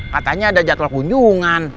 katanya ada jadwal kunjungan